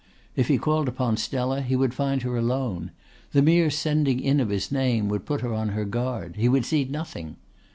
If he called upon Stella he would find her alone; the mere sending in of his name would put her on her guard; he would see nothing.